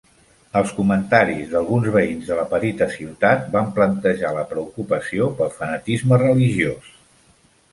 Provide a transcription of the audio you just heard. Els comentaris d'alguns veïns de la petita ciutat van plantejar la preocupació pel fanatisme religiós.